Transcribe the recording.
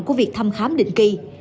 của việc thăm khám định kỳ